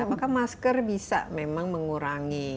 apakah masker bisa memang mengurangi